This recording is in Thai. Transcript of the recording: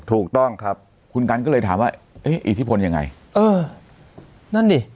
ถูกต้องครับคุณกันก็เลยถามว่าเอ๊ะอิทธิพลยังไงเออนั่นดิ